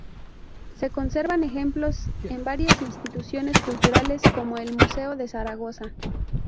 Se conservan ejemplos en varias instituciones culturales, como el Museo de Zaragoza.